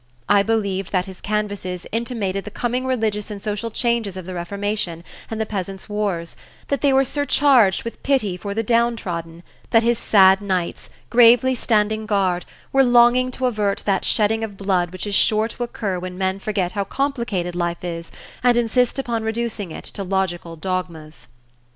I believed that his canvases intimated the coming religious and social changes of the Reformation and the peasants' wars, that they were surcharged with pity for the downtrodden, that his sad knights, gravely standing guard, were longing to avert that shedding of blood which is sure to occur when men forget how complicated life is and insist upon reducing it to logical dogmas.